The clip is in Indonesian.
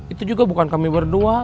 itu juga bukan kami berdua